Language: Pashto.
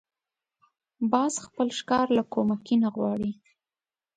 باز خپل ښکار له کومکي نه غواړي